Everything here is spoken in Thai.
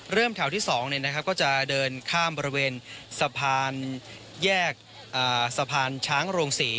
เริ่มแถวที่๒นะครับก็จะเดินข้ามบริเวณสะพานแยกสะพานช้างโรงสี